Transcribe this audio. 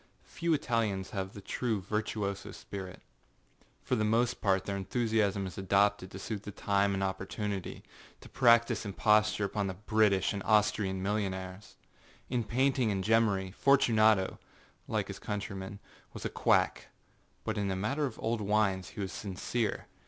Few Italians have the true virtuoso spirit. For the most part their enthusiasm is adopted to suit the time and opportunityâto practise imposture upon the British and Austrian millionaires. In painting and gemmary, Fortunato, like his countrymen, was a quackâbut in the matter of old wines he was sincere.